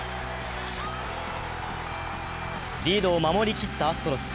リードを守りきったアストロズ。